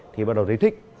thì bắt đầu thấy thích